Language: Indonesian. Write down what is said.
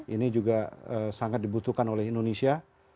ini juga sangat dibutuhkan oleh indonesia